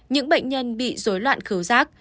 những bệnh nhân bị rối loạn khứu rác